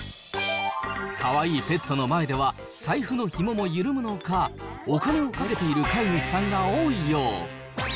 かわいいペットの前では、財布のひもも緩むのか、お金をかけている飼い主さんが多いよう。